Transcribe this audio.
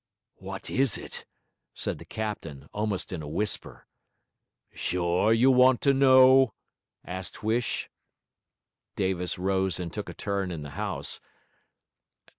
'What is it?' said the captain, almost in a whisper. 'Sure you want to know?' asked Huish. Davis rose and took a turn in the house.